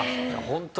ホントに。